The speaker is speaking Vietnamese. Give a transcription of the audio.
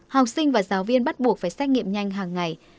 học sinh và giáo viên bắt buộc phải xét nghiệm nhanh hàng ngày